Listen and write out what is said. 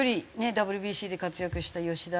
ＷＢＣで活躍した吉田。